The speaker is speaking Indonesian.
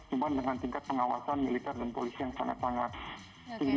cuma dengan tingkat pengawasan militer dan polisi yang sangat sangat tinggi